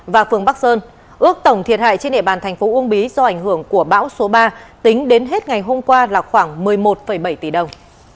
và phường bắc sơn ước tổng thiệt hại trên địa bàn thành phố uông bí do ảnh hưởng của bão số ba tính đến hết ngày hôm qua là khoảng một mươi một bảy tỷ đồng